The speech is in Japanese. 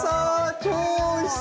超おいしそ！